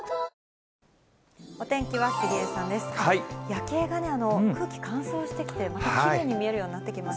夜景がね、空気、乾燥してきて、きれいに見えるようになってきま